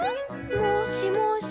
「もしもし？